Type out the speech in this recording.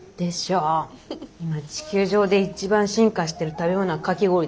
今地球上で一番進化してる食べ物はかき氷だから。